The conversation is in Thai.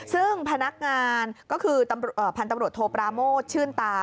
ซึ่งพนักงานก็คือพันธุ์ตำรวจโทปราโมทชื่นตา